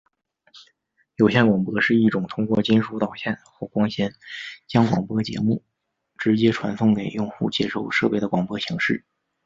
有线广播是一种通过金属导线或光纤将广播节目直接传送给用户接收设备的广播形式。